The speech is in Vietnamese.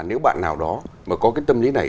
nếu bạn nào đó mà có cái tâm lý này